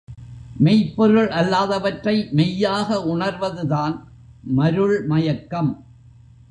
மெய்ப்பொருள் அல்லாதவற்றை மெய்யாக உணர்வதுதான் மருள் மயக்கம்.